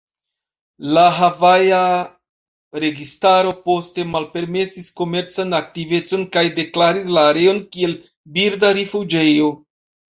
La havaja registaro poste malpermesis komercan aktivecon kaj deklaris la areon kiel birda rifuĝejo.